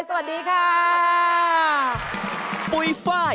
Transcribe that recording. สวัสดีค่ะ